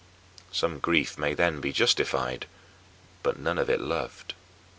Some grief may then be justified, but none of it loved.